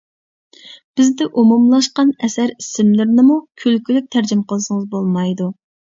بىزدە ئومۇملاشقان ئەسەر ئىسىملىرىنىمۇ كۈلكىلىك تەرجىمە قىلسىڭىز بولمايدۇ.